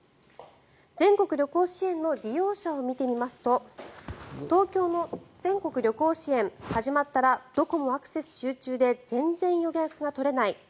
全国旅行支援の利用者を見てみますと東京の全国旅行支援始まったらどこもアクセス集中で全然予約が取れない。